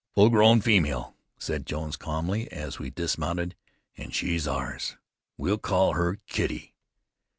"Full grown female," said Jones calmly, as we dismounted, "and she's ours. We'll call her Kitty."